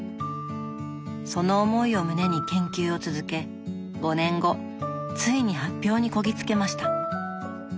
その思いを胸に研究を続け５年後ついに発表にこぎ着けました。